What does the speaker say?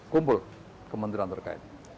kumpul kementerian terkait